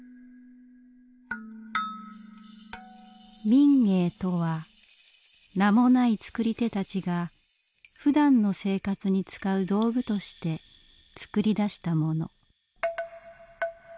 民藝とは名もない作り手たちがふだんの生活に使う道具として作り出したもの。